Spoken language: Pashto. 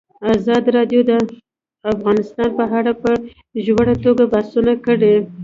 ازادي راډیو د اقتصاد په اړه په ژوره توګه بحثونه کړي.